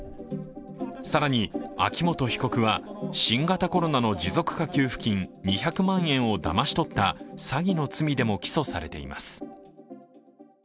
更に、秋本被告は新型コロナの持続化給付金２００万円をだまし取った詐欺の罪でも起訴されています。